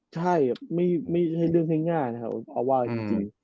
ใช่ไม่ใช่เรื่องง่ายนะครับเพราะว่าจริง